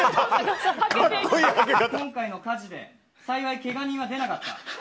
今回の火事で幸いけが人は出なかった。